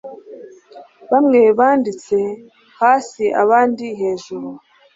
Bamwe banditse hasiabandi hejuru